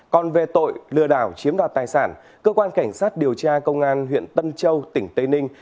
còn về tội lừa đảo chiếm đoạt tài sản cơ quan cảnh sát điều tra công an huyện tân châu tỉnh tây ninh